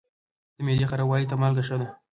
د معدې خرابوالي ته مالګه ښه ده.